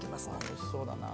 おいしそうだな。